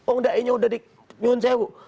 oh dai nya udah diuncew